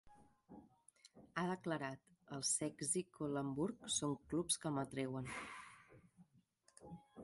Ha declarat: "El Sechzig o l'Hamburg són clubs que m'atreuen".